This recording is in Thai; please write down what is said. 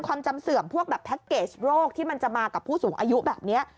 ความจำเสื่อมพวกแบบแพ็คเกจโรคที่มันจะมากับผู้สูงอายุแบบนี้